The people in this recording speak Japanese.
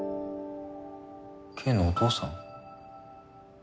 ケイのお父さん？